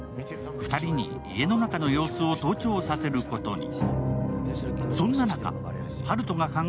２人に家の中の様子を盗聴させることに。